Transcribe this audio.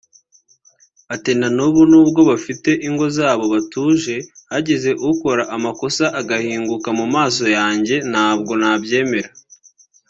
Ati "Na nubu nubwo bafite ingo zabo batuje hagize ukora amakosa agahinguka mu maso yanjye ntabwo nabyemera